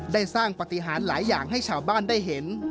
ได้สร้างปฏิหารหลายอย่างให้ชาวบ้านได้เห็น